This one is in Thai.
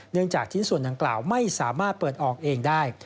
จากชิ้นส่วนดังกล่าวไม่สามารถเปิดออกเองได้